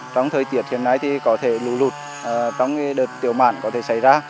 trong thời tiết hiện nay thì có thể lụt lụt trong đợt tiểu mản có thể xảy ra